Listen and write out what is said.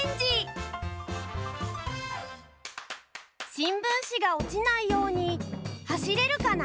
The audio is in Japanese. しんぶんしがおちないようにはしれるかな？